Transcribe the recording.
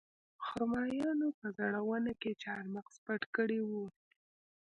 خرمایانو په زړه ونه کې چارمغز پټ کړي وو